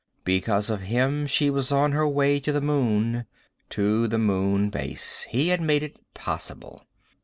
Because of him she was on her way to the moon, to the Moon Base. He had made it possible.